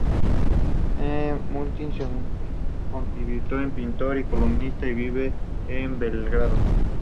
Debutó en Rosario Central y luego se destacó en Deportes Quindío de Colombia.